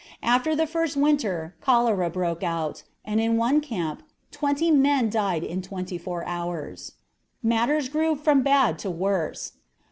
After the first winter cholera broke out, and in one camp twenty men died in twenty four hours. Matters grew from bad to worse.